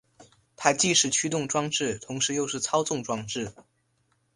它既是驱动装置同时又是操纵装置。